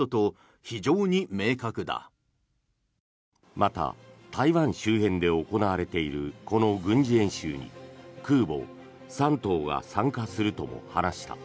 また、台湾周辺で行われているこの軍事演習に空母「山東」が参加するとも話した。